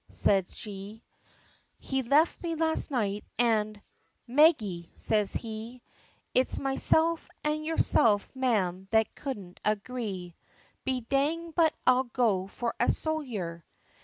says she, He left me last night, an' "Maggie" says he, "It's meself an' yerself mam that couldn't agree, Be dang but I'll go for a sojer!"